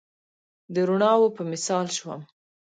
د روڼاوو په مثال شوم